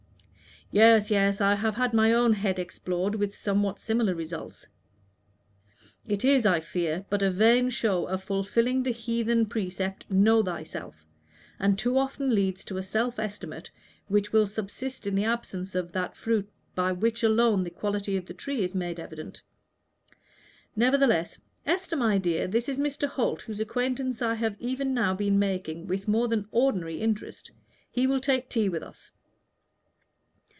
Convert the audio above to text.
"Yes, yes; I have had my own head explored with somewhat similar results. It is, I fear, but a vain show of fulfilling the heathen precept, 'Know thyself,' and too often leads to a self estimate which will subsist in the absence of that fruit by which alone the quality of the tree is made evident. Nevertheless Esther, my dear, this is Mr. Holt, whose acquaintance I have now been making with more than ordinary interest. He will take tea with us."